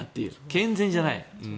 健全じゃない。